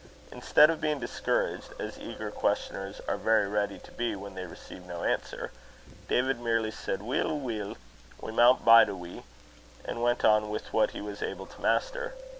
Instead of being discouraged, as eager questioners are very ready to be when they receive no answer, David merely said, "Weel, weel, we maun bide a wee," and went on with what he was able to master.